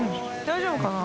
大丈夫かな？